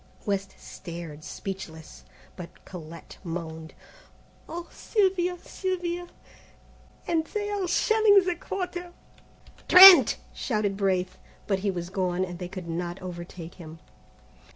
West stared speechless, but Colette moaned, "Oh, Sylvia! Sylvia! and they are shelling the Quarter!" "Trent!" shouted Braith; but he was gone, and they could not overtake them.